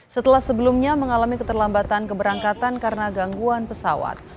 setelah sebelumnya mengalami keterlambatan keberangkatan karena gangguan pesawat